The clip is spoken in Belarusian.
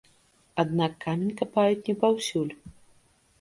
Аднак камень капаюць не паўсюль.